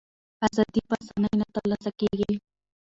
ازادي په آسانۍ نه ترلاسه کېږي.